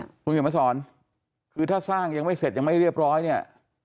คุณเขียนมาสอนคือถ้าสร้างยังไม่เสร็จยังไม่เรียบร้อยเนี่ย